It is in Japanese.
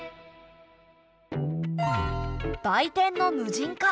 売店の無人化。